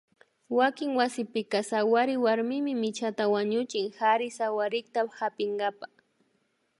Wakin wasikunapika sawary warmimi michata wañuchin kari sawarikta hapinkapa